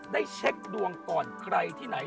ได้เช็คดวงก่อนใครที่ไหน